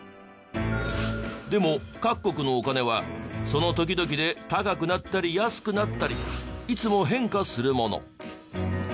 でも各国のお金はその時々で高くなったり安くなったりいつも変化するもの。